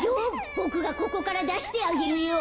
ボクがここからだしてあげるよ。